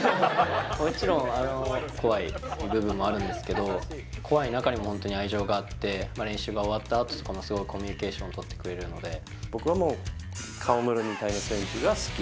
もちろん、怖い部分もあるんですけど、怖い中にも本当に愛情があって、練習が終わったあと、すごいコミュニケーション取って僕はもう、河村みたいな選手が好き。